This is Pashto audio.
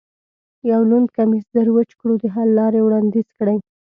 یو لوند کمیس زر وچ کړو، د حل لارې وړاندیز کړئ.